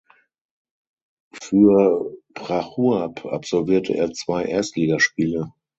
Für Prachuap absolvierte er zwei Erstligaspiele.